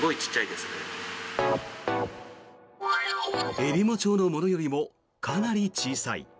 えりも町のものよりもかなり小さい。